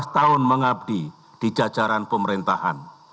lima belas tahun mengabdi di jajaran pemerintahan